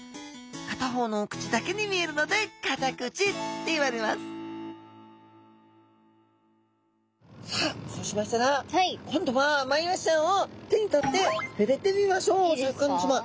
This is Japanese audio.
片方の口だけに見えるのでカタクチっていわれますさあそうしましたら今度はマイワシちゃんを手に取ってふれてみましょうシャーク香音さま。